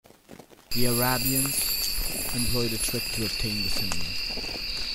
The Arabians employed a trick to obtain the cinnamon.